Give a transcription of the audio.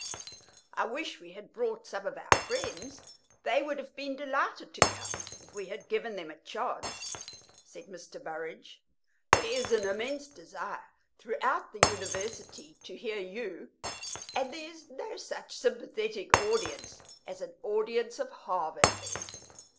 "I wish we had brought some of our friends they would have been delighted to come if we had given them a chance," said Mr. Burrage. "There is an immense desire throughout the University to hear you, and there is no such sympathetic audience as an audience of Harvard men.